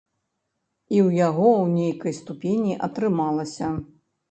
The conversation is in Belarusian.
І ў яго, у нейкай ступені, атрымалася.